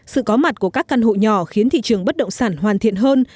sự có mặt của các căn hộ nhỏ khiến thị trường bất động sản hoàn thiện hơn